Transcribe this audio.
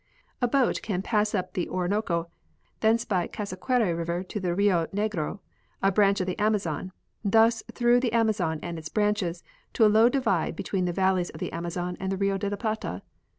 A boat can pass uj) the Orinoco, thence by Cassiquiare river to the Rio Negro, a branch of the Amazon, thence through the Amazon and its branches to a low divide between the valleys of the Amazon and Rio de la Plata.